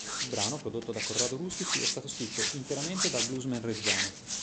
Il brano, prodotto da Corrado Rustici, è stato scritto interamente dal bluesman reggiano.